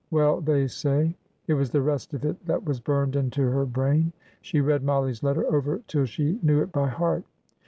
Well, they say—" It was the rest of it that was burned into her brain. She read Mollie's letter over till she knew it by heart.